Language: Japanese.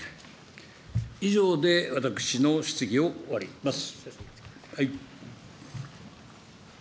以上で私の質疑を終わります。